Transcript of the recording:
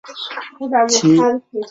其实你有没有考虑过我的感受？